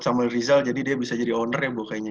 sama rizal jadi dia bisa jadi owner ya bu kayaknya